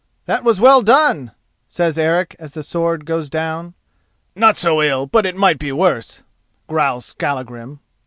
"That was well done," says Eric as the sword goes down. "Not so ill but it might be worse," growls Skallagrim.